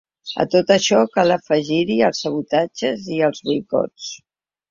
A tot això, cal afegir-hi els sabotatges i els boicots.